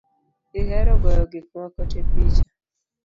Ihero goyo gik moko te picha